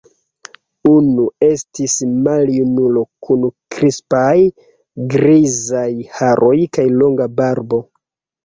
Unu estis maljunulo kun krispaj grizaj haroj kaj longa barbo.